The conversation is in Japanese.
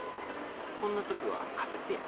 こんな時は仮説や。